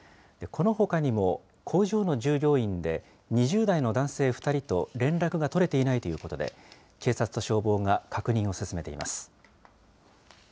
このほかにも工場の従業員で、２０代の男性２人と連絡が取れていないということで、警察と消防が確認を進めています。